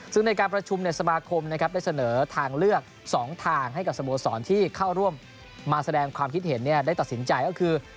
ซึ่งในการประชุมสมาคมนะครับได้เสนอทางเลือก๒ทางให้กับสโมสรที่เข้าร่วมมาแสดงความคิดเห็นได้ตัดสินใจก็คือ